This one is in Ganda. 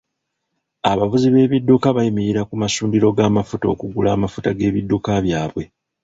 Abavuzi b'ebidduka bayimirira ku masundiro g'amafuta okugula amafuta g'ebidduka byabwe.